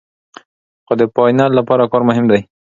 خو د فاینل لپاره کار مهم دی.